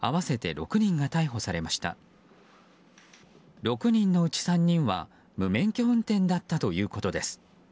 ６人のうち３人は無免許運転だったということです。